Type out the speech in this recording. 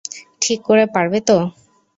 ঠিক করে পারবে তো?